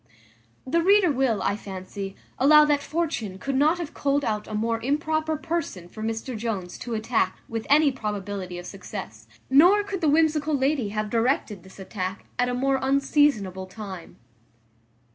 The reader will, I fancy, allow that Fortune could not have culled out a more improper person for Mr Jones to attack with any probability of success; nor could the whimsical lady have directed this attack at a more unseasonable time.